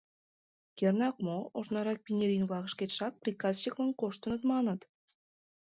Кернак мо, ожнырак Пинерин-влак шкештат приказчиклан коштыныт маныт?